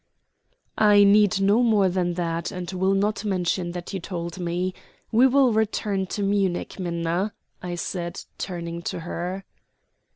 "I need no more than that, and will not mention that you told me. We will return to Munich, Minna," I said, turning to her.